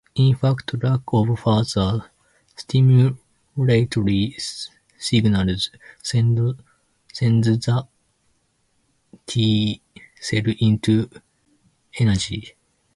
In fact, lack of further stimulatory signals sends the T cell into anergy.